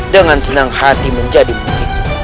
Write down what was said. dengan senang hati menjadi begitu